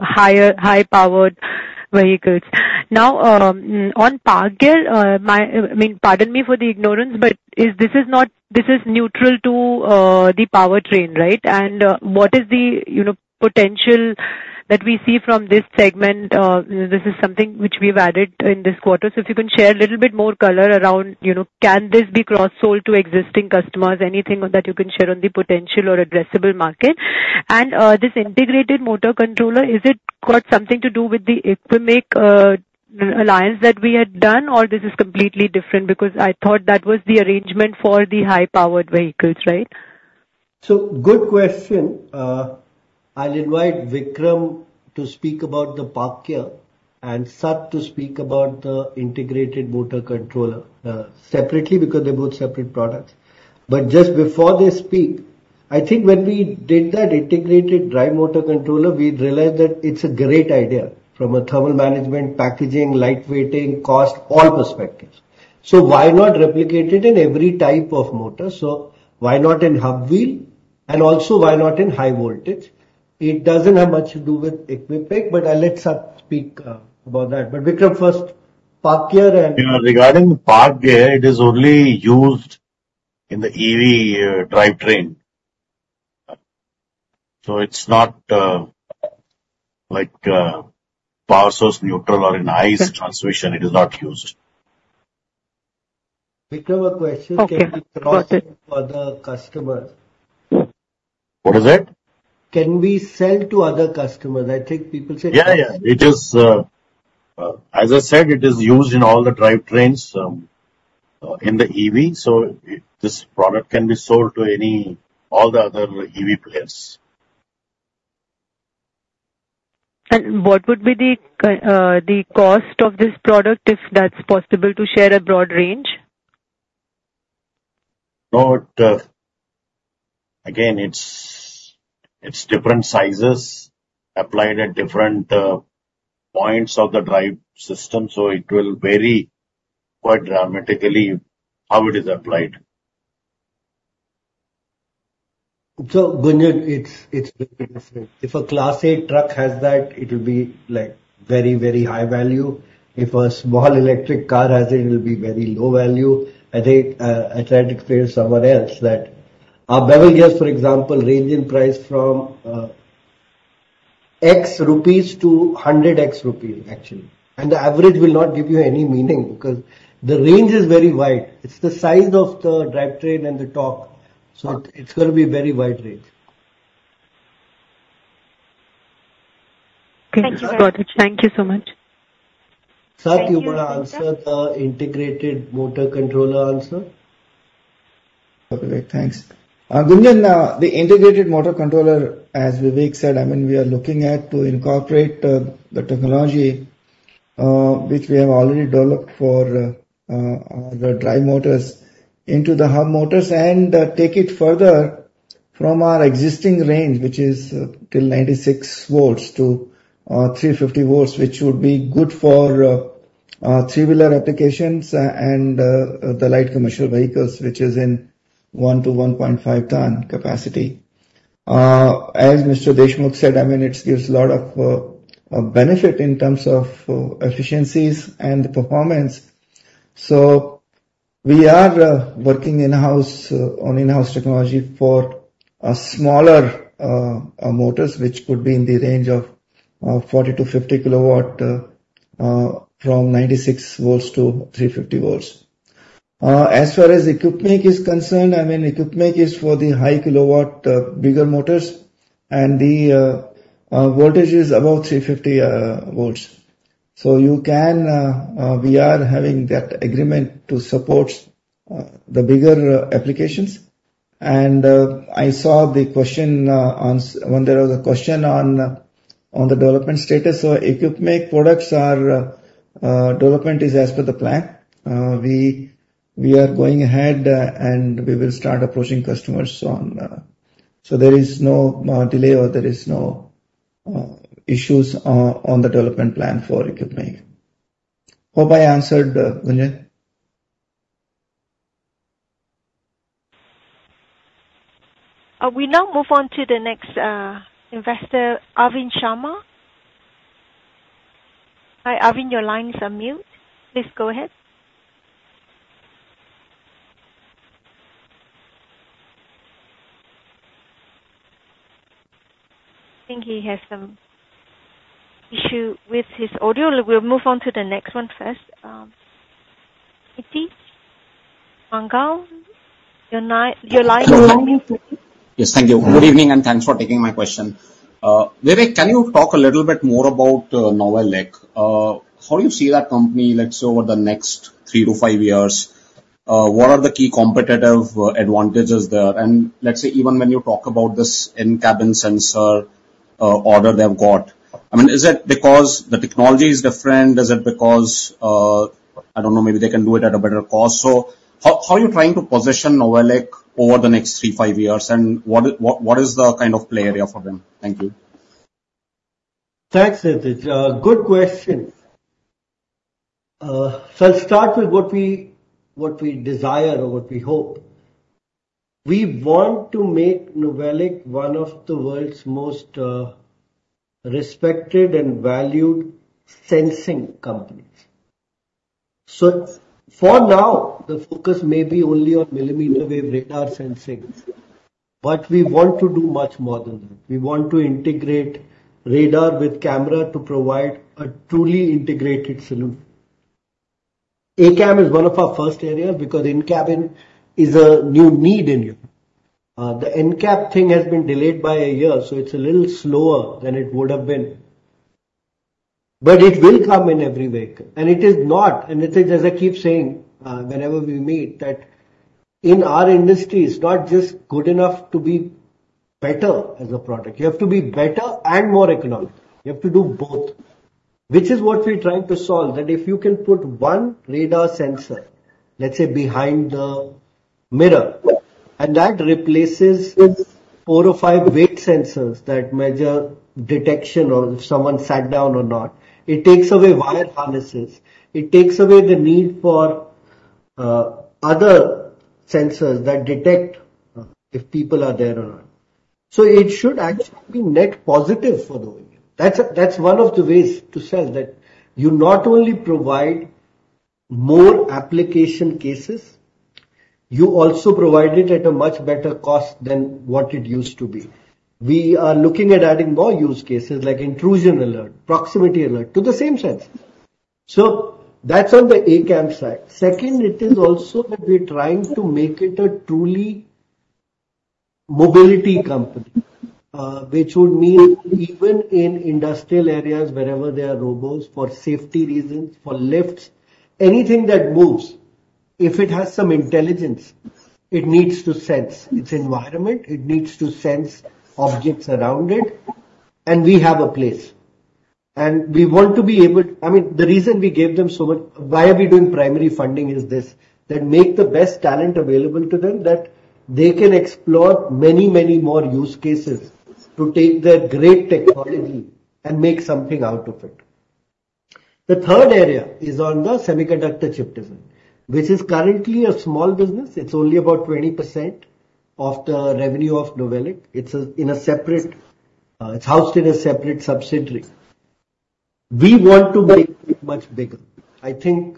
higher high-powered vehicles. Now, on park gear, my... I mean, pardon me for the ignorance, but is this not neutral to the powertrain, right? And, what is the, you know, potential that we see from this segment? This is something which we've added in this quarter. So if you can share a little bit more color around, you know, can this be cross-sold to existing customers? Anything on that you can share on the potential or addressable market. And, this integrated motor controller, is it got something to do with the Equipmake alliance that we had done, or this is completely different? Because I thought that was the arrangement for the high-powered vehicles, right? So, good question. I'll invite Vikram to speak about the park gear and Sat to speak about the integrated motor controller, separately, because they're both separate products. But just before they speak, I think when we did that integrated drive motor controller, we realized that it's a great idea from a thermal management, packaging, lightweighting, cost, all perspectives. So why not replicate it in every type of motor? So why not in hub wheel, and also why not in high voltage? It doesn't have much to do with Equipmake, but I'll let Sat speak, about that. But Vikram, first, park gear and Yeah, regarding park gear, it is only used in the EV drivetrain. So it's not like power source neutral or in ICE transmission. It is not used. Vikram, a question- Okay. Can we sell to other customers? What is that? Can we sell to other customers? I think people said- Yeah, yeah. It is. As I said, it is used in all the drivetrains, in the EV, so this product can be sold to any, all the other EV players. What would be the cost of this product, if that's possible, to share a broad range? No, it. Again, it's different sizes applied at different points of the drive system, so it will vary quite dramatically how it is applied. So, Gunjan, it's different. If a Class 8 truck has that, it will be, like, very, very high value. If a small electric car has it, it will be very low value. I think I tried to explain somewhere else that our bevel gears, for example, range in price from X INR to 100 X INR, actually. And the average will not give you any meaning, because the range is very wide. It's the size of the drivetrain and the torque, so it's gonna be a very wide range. Thank you. Thank you so much. Sat, you want to answer the integrated motor controller also? Okay, thanks. Gunjan, the integrated motor controller, as Vivek said, I mean, we are looking at to incorporate the technology, which we have already developed for the drive motors into the hub motors, and take it further from our existing range, which is till 96 volts to 350 volts, which would be good for three-wheeler applications and the light commercial vehicles, which is in 1-1.5-ton capacity. As Mr. Deshmukh said, I mean, it gives a lot of benefit in terms of efficiencies and the performance. So we are working in-house on in-house technology for smaller motors, which could be in the range of 40-50 kW from 96 V to 350 V. As far as Equipmake is concerned, I mean, Equipmake is for the high kW bigger motors, and the voltage is above 350 V. So you can, we are having that agreement to support the bigger applications. And I saw the question on when there was a question on the development status. So Equipmake products development is as per the plan. We are going ahead, and we will start approaching customers on... So there is no delay or there is no issues on the development plan for Equipmake. Hope I answered, Gunjan? We now move on to the next investor, Arvind Sharma. Hi, Arvind, your line is on mute. Please go ahead. I think he has some issue with his audio. We'll move on to the next one first. Nitin Mangal, your line is unmuted. Yes. Thank you. Good evening, and thanks for taking my question. Vivek, can you talk a little bit more about, Novelic? How you see that company, let's say, over the next three to five years? What are the key competitive advantages there? And let's say, even when you talk about this in-cabin sensor order they've got, I mean, is that because the technology is different? Is it because, I don't know, maybe they can do it at a better cost? So how are you trying to position Novelic over the next three, five years? And what, what is the kind of play area for them? Thank you. Thanks, Nitin. Good question. So I'll start with what we, what we desire or what we hope. We want to make Novelic one of the world's most respected and valued sensing companies. So for now, the focus may be only on millimeter wave radar sensing, but we want to do much more than that. We want to integrate radar with camera to provide a truly integrated solution. ACAM is one of our first area, because in-cabin is a new need in here. The NCAP thing has been delayed by a year, so it's a little slower than it would have been. But it will come in every vehicle, and it is not... And Nitin, as I keep saying, whenever we meet, that in our industry, it's not just good enough to be better as a product. You have to be better and more economic. You have to do both, which is what we're trying to solve, that if you can put one radar sensor, let's say, behind the mirror, and that replaces four or five weight sensors that measure detection or if someone sat down or not, it takes away wire harnesses, it takes away the need for other sensors that detect if people are there or not. So it should actually be net positive for the vehicle. That's one of the ways to sell, that you not only provide more application cases, you also provide it at a much better cost than what it used to be. We are looking at adding more use cases, like intrusion alert, proximity alert, to the same sensor. So that's on the ACAM side. Second, it is also that we're trying to make it a truly mobility company, which would mean even in industrial areas, wherever there are robots, for safety reasons, for lifts, anything that moves, if it has some intelligence, it needs to sense its environment, it needs to sense objects around it, and we have a place. And we want to be able—I mean, the reason we gave them so much, why are we doing primary funding is this, that make the best talent available to them, that they can explore many, many more use cases to take their great technology and make something out of it. The third area is on the semiconductor chip design, which is currently a small business. It's only about 20% of the revenue of Novelic. It's a, in a separate, it's housed in a separate subsidiary. We want to make it much bigger. I think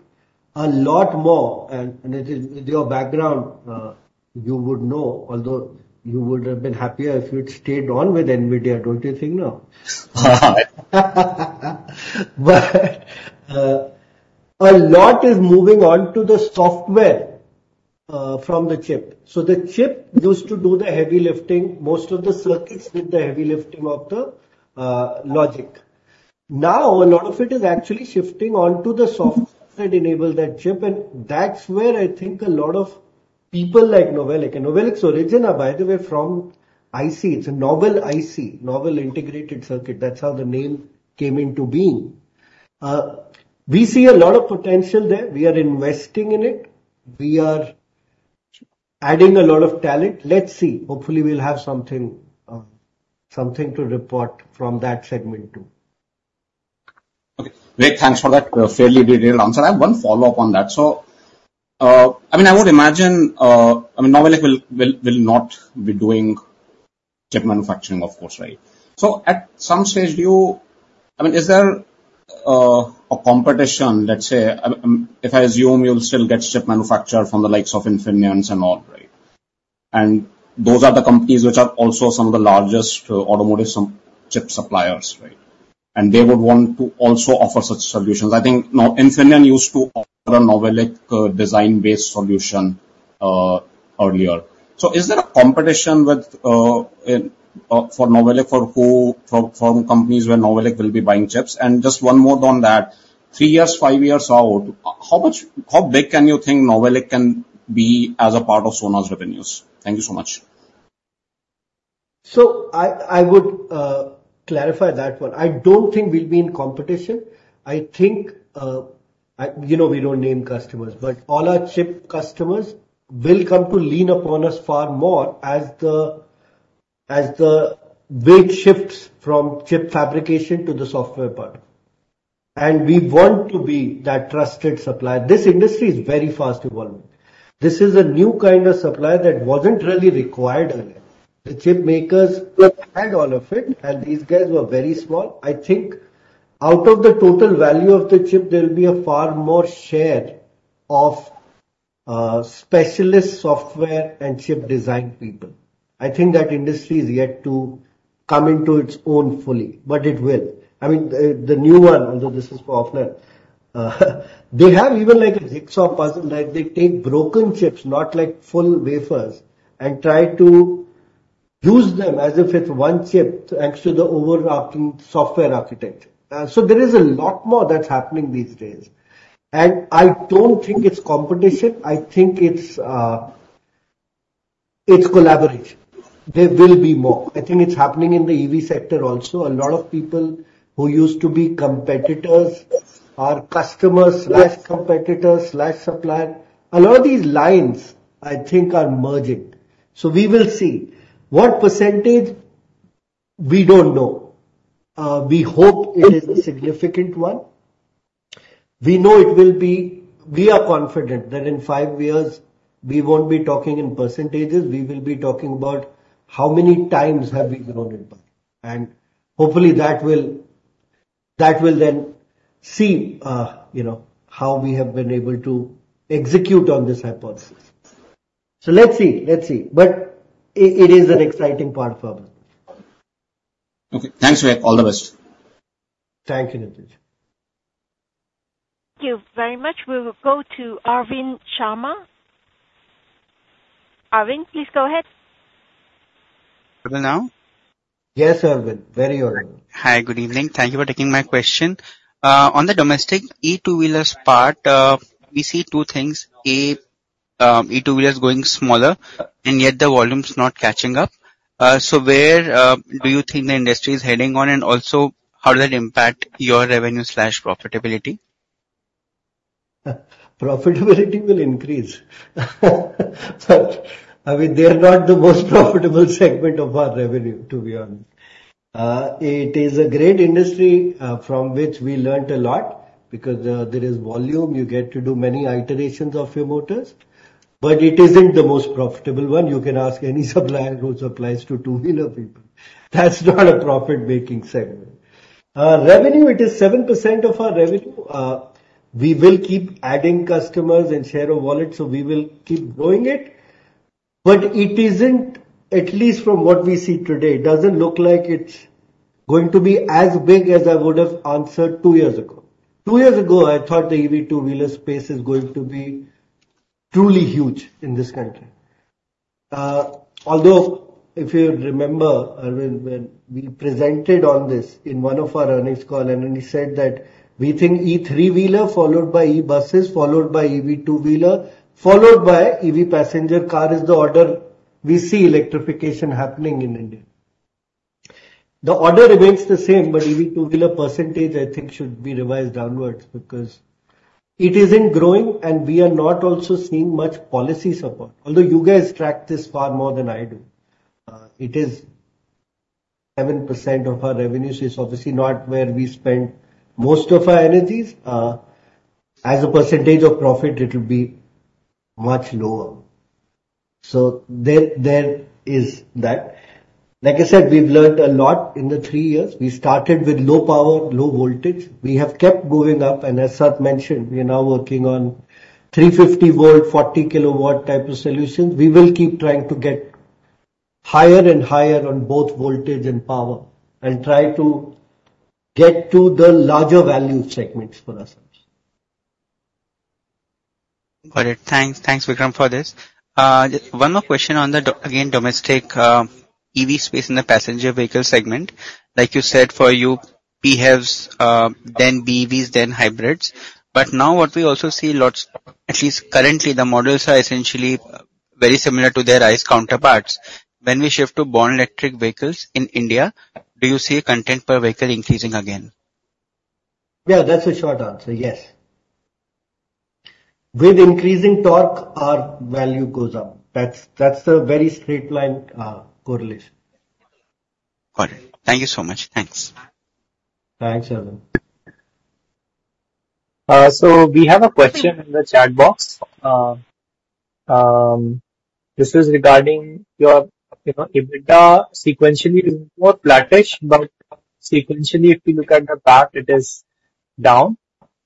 a lot more, and, and it is your background, you would know, although you would have been happier if you'd stayed on with NVIDIA, don't you think now? But, a lot is moving on to the software, from the chip. So the chip used to do the heavy lifting. Most of the circuits did the heavy lifting of the logic. Now, a lot of it is actually shifting onto the software that enable that chip, and that's where I think a lot of people like Novelic. And Novelic's origin are, by the way, from IC. It's a novel IC, novel integrated circuit. That's how the name came into being. We see a lot of potential there. We are investing in it. We are adding a lot of talent. Let's see. Hopefully, we'll have something, something to report from that segment, too. Okay. Great, thanks for that, fairly detailed answer. I have one follow-up on that. So, I mean, I would imagine, I mean, Novelic will not be doing chip manufacturing, of course, right? So at some stage, I mean, is there a competition, let's say, if I assume you'll still get chips from manufacturers like Infineon and all, right? And those are the companies which are also some of the largest automotive chip suppliers, right? And they would want to also offer such solutions. I think now, Infineon used to offer a Novelic design-based solution earlier. So is there a competition for Novelic from companies where Novelic will be buying chips? Just one more on that, three years, five years out, how big can you think Novelic can be as a part of Sona's revenues? Thank you so much. So I would clarify that one. I don't think we'll be in competition. I think, you know, we don't name customers, but all our chip customers will come to lean upon us far more as the weight shifts from chip fabrication to the software part. And we want to be that trusted supplier. This industry is very fast evolving. This is a new kind of supplier that wasn't really required earlier. The chip makers had all of it, and these guys were very small. I think out of the total value of the chip, there will be a far more share of specialist software and chip design people. I think that industry is yet to come into its own fully, but it will. I mean, the new one, although this is for NVIDIA, they have even like a jigsaw puzzle, like they take broken chips, not like full wafers, and try to use them as if it's one chip, thanks to the overarching software architecture. So there is a lot more that's happening these days, and I don't think it's competition. I think it's collaboration. There will be more. I think it's happening in the EV sector also. A lot of people who used to be competitors are customers, slash competitors, slash supplier. A lot of these lines, I think, are merging. So we will see. What percentage? We don't know. We hope it is a significant one. We know it will be... We are confident that in five years we won't be talking in percentages, we will be talking about how many times have we grown it by. And hopefully, that will, that will then see, you know, how we have been able to execute on this hypothesis. So let's see, let's see. But it, it is an exciting part for us. Okay. Thanks, Vik. All the best. Thank you, Nitin. Thank you very much. We will go to Arvind Sharma. Arvind, please go ahead. Hello now? Yes, Arvind. Very all right. Hi. Good evening. Thank you for taking my question. On the domestic e-two wheelers part, we see two things: A, e-two wheelers going smaller, and yet the volume is not catching up. So where do you think the industry is heading on? And also, how does it impact your revenue slash profitability? Profitability will increase. But, I mean, they are not the most profitable segment of our revenue, to be honest. It is a great industry, from which we learned a lot, because there is volume, you get to do many iterations of your motors, but it isn't the most profitable one. You can ask any supplier who supplies to two-wheeler people. That's not a profit-making segment. Revenue, it is 7% of our revenue. We will keep adding customers and share of wallet, so we will keep growing it. But it isn't, at least from what we see today, it doesn't look like it's going to be as big as I would have answered two years ago. Two years ago, I thought the EV two-wheeler space is going to be truly huge in this country. Although, if you remember, Arvind, when we presented on this in one of our earnings calls, and then we said that we think e-three-wheeler, followed by e-buses, followed by EV two-wheeler, followed by EV passenger car, is the order we see electrification happening in India. The order remains the same, but EV two-wheeler percentage, I think, should be revised downwards because it isn't growing and we are not also seeing much policy support. Although you guys track this far more than I do. It is 7% of our revenue, so it's obviously not where we spend most of our energies. As a percentage of profit, it will be much lower. So there, there is that. Like I said, we've learned a lot in the three years. We started with low power, low voltage. We have kept going up, and as Sat mentioned, we are now working on 350 volt, 40 kilowatt type of solutions. We will keep trying to get higher and higher on both voltage and power, and try to get to the larger value segments for ourselves. Got it. Thanks. Thanks, Vikram, for this. Just one more question on the domestic EV space again in the passenger vehicle segment. Like you said, for you, PHEVs, then BEVs, then hybrids. But now what we also see lots, at least currently, the models are essentially very similar to their ICE counterparts. When we shift to born electric vehicles in India, do you see content per vehicle increasing again? Yeah, that's a short answer, yes. With increasing torque, our value goes up. That's, that's a very straight line, correlation. Got it. Thank you so much. Thanks. Thanks, Arvind. So we have a question in the chat box. This is regarding your, you know, EBITDA sequentially is more flattish, but sequentially, if you look at the PAT, it is down.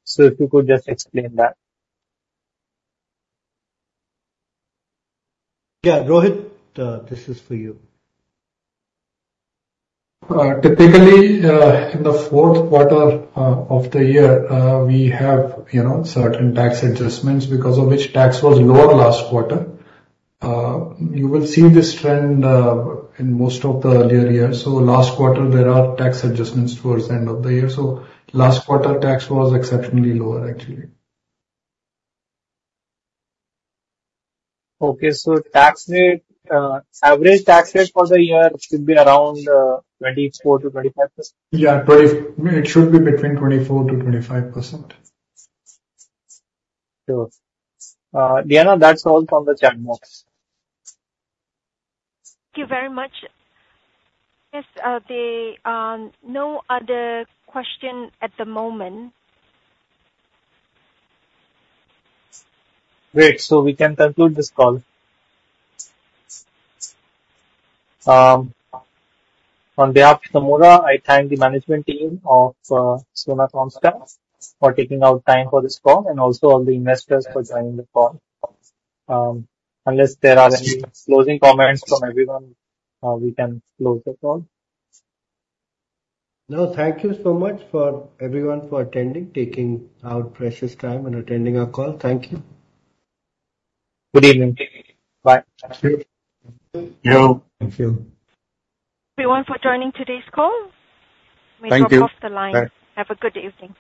So if you could just explain that. Yeah, Rohit, this is for you. Typically, in the fourth quarter of the year, we have, you know, certain tax adjustments because of which tax was lower last quarter. You will see this trend in most of the earlier years. So last quarter, there are tax adjustments towards the end of the year, so last quarter tax was exceptionally lower, actually. Okay. So tax rate, average tax rate for the year should be around 24%-25%? Yeah, it should be between 24%-25%. Sure. Diana, that's all from the chat box. Thank you very much. Yes, there are no other questions at the moment. Great, so we can conclude this call. On behalf of Nomura, I thank the management team of Sona Comstar for taking out time for this call, and also all the investors for joining the call. Unless there are any closing comments from everyone, we can close the call. No, thank you so much for everyone for attending, taking out precious time and attending our call. Thank you. Good evening. Bye. Thank you. Thank you. Thank you.... Everyone for joining today's call. Thank you. We are off the line. Have a good evening.